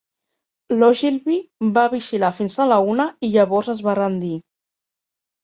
L'Ogilvy va vigilar fins a la una i llavors es va rendir.